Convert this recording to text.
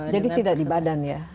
jadi tidak di badan ya